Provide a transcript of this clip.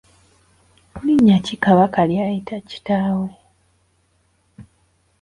Linnya ki Kabaka ly’ayita kitaawe?